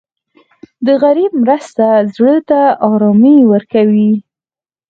د غریب مرسته زړه ته ارامي ورکوي.